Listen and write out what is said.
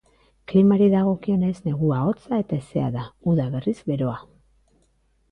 Klimari dagokionez, negua hotza eta hezea da; uda, berriz, beroa.